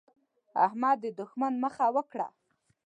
احمد د دوښمن مخه وکړه.